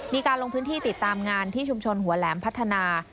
มีการลงพื้นที่ติดตามงานที่ชุมชนหัวแหลมพัฒนา